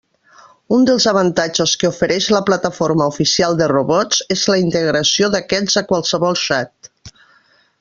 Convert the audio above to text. Un dels avantatges que ofereix la plataforma oficial de robots és la integració d'aquests a qualsevol xat.